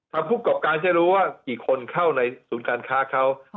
ผู้กรอบการจะรู้ว่ากี่คนเข้าในศูนย์การค้าเขา